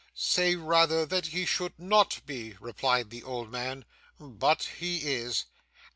'Say rather that he should not be,' replied the old man. 'But he is.